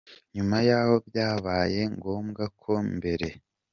Nyuma y’aho, byabaye ngombwa ko mbere